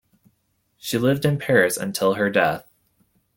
She lived in Paris until her death.